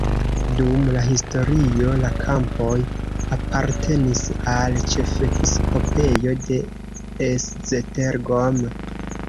Dum la historio la kampoj apartenis al ĉefepiskopejo de Esztergom.